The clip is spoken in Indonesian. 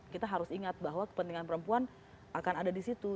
kita harus ingat bahwa kepentingan perempuan akan ada di situ